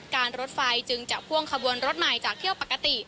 รถไฟจึงจะพ่วงขบวนรถใหม่จากเที่ยวปกติ